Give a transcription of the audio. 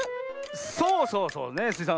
そうそうそうねスイさん